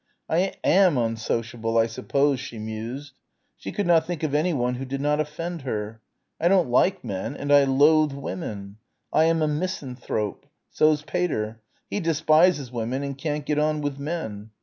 I am unsociable, I suppose she mused. She could not think of anyone who did not offend her. I don't like men and I loathe women. I am a misanthrope. So's Pater. He despises women and can't get on with men.